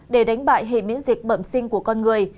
để đánh bại hệ miễn dịch bẩm sinh của con người